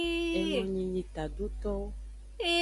Enonyi nyi tadotowo.